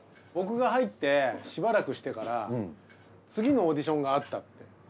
僕が入ってしばらくしてから次のオーディションがあったの。